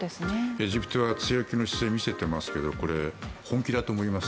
エジプトは強気の姿勢を見せていますけどこれ、本気だと思います。